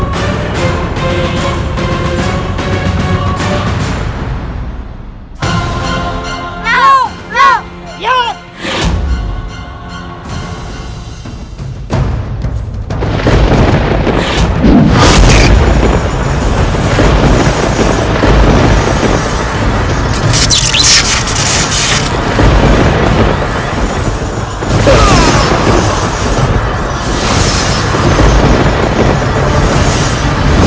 daripada grab for activity